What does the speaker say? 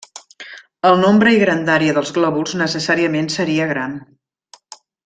El nombre i grandària dels globus necessàriament seria gran.